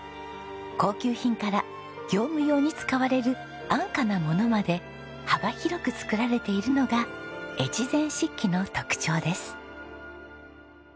高級品から業務用に使われる安価なものまで幅広く作られているのが越前漆器の特徴です。